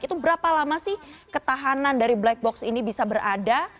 itu berapa lama sih ketahanan dari black box ini bisa berada